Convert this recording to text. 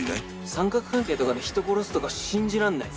三角関係とかで人殺すとか信じらんない。